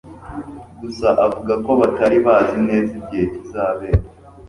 gusa avuga ko batari bazi neza igihe kizabera.